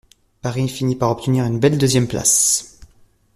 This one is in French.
Paris finit par obtenir une belle deuxième place.